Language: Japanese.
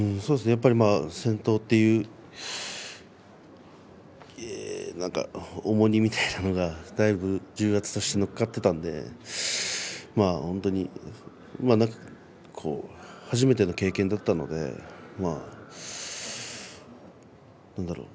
やっぱり先頭というなんか重荷みたいなものがだいぶ重圧としてのっかっていたので本当に初めての経験だったのでなんだろう